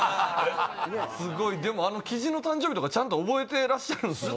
すごいでもあのキジの誕生日とかちゃんと覚えてらっしゃるんすもんね